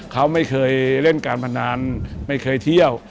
เขาไม่เคยเล่นการพนันไม่เคยเที่ยว